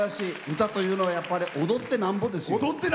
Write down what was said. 歌というのは踊ってなんぼですよ。